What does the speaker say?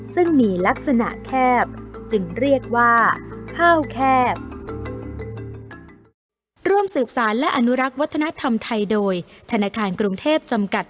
ซึ่งมีลักษณะแคบจึงเรียกว่าข้าวแคบ